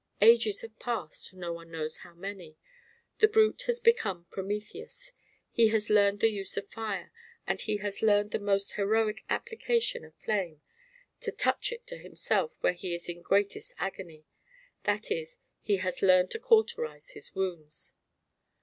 Ages have passed, no one knows how many. The brute has become Prometheus; he has learned the use of fire; and he has learned the most heroic application of flame to touch it to himself where he is in greatest agony: that is, he has learned to cauterize his wounds.